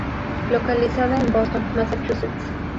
Localizada en Boston, Massachusetts.